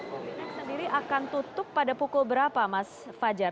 mobile sendiri akan tutup pada pukul berapa mas fajar